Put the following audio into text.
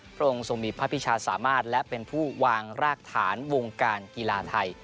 พระองค์ทรงมีพระพิชาสามารถและเป็นผู้วางรากฐานวงการกีฬาไทย